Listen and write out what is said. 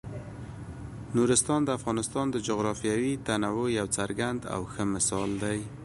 نورستان د افغانستان د جغرافیوي تنوع یو څرګند او ښه مثال دی.